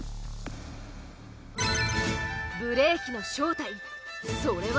ブレーキの正体それは。